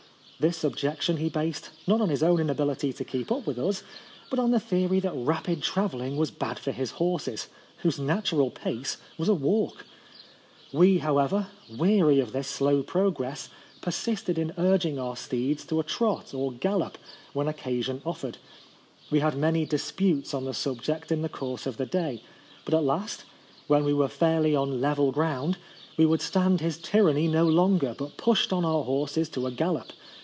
This objection he based not on his own inability to keep up with us, but on the theory that rapid travelling was bad for his horses, whose natural pace was a walk ! We, how ever, weary of this slow progress, persisted in urging our steeds to a trot or gallop when occasion offered. We had many disputes on the sub ject in the course of the day ; but at last, when we were fairly on level ground, we would stand his tyranny no longer, but pushed on our horses to a gallop.